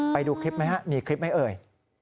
ไปดูคลิปไหมฮะมีคลิปไหมเอ่ย